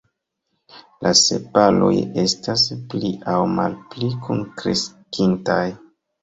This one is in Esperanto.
La sepaloj estas pli aŭ malpli kunkreskintaj.